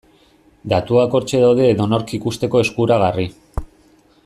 Datuak hortxe daude edonork ikusteko eskuragarri.